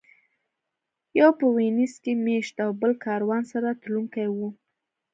یو په وینز کې مېشت او بل کاروان سره تلونکی و.